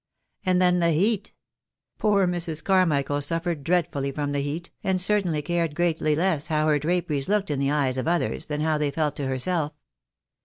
And then the heat ! Poor Mrs. Carmichael suffered dreadfully from the heat, and certainly cared greatly less how her draperies looked in the eyes of others, than how they felt to herself.